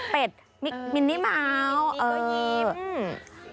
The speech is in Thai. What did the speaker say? เป็ดมินิเมาส์มีก๋วยิ้ม